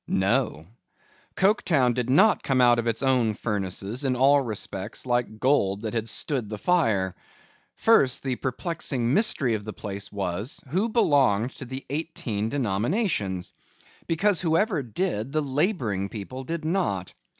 No. Coketown did not come out of its own furnaces, in all respects like gold that had stood the fire. First, the perplexing mystery of the place was, Who belonged to the eighteen denominations? Because, whoever did, the labouring people did not.